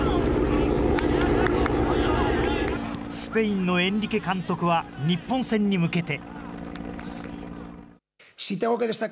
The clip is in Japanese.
スペインのエンリケ監督は日本戦に向けて。